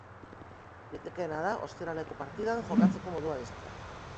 Litekeena da ostiraleko partidan jokatzeko moduan izatea.